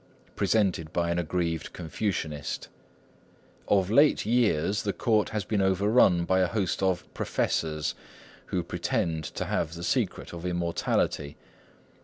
presented by an aggrieved Confucianist:— "Of late years the court has been overrun by a host of 'professors,' who pretend to have the secret of immortality.